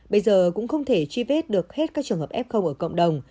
bây giờ cũng không thể truy vết được hết các trường hợp f ở cộng đồng